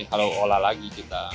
halau olah lagi kita